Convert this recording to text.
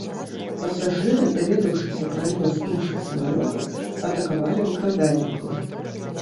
Пасажыры, даведаўшыся пра лёс іншых самалётаў, атакавалі выкрадальнікаў.